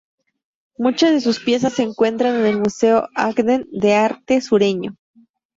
Muchas de sus piezas se encuentran en el Museo Ogden de Arte Sureño.